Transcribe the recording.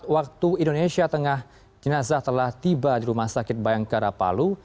waktu indonesia tengah jenazah telah tiba di rumah sakit bayangkara palu